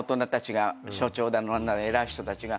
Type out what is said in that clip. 所長だの偉い人たちが。